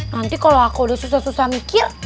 nanti kalau aku udah susah susah mikir